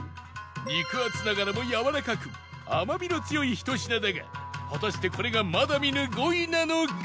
肉厚ながらもやわらかく甘みの強いひと品だが果たしてこれがまだ見ぬ５位なのか？